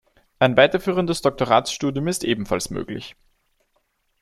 Ein weiterführendes Doktoratsstudium ist ebenfalls möglich.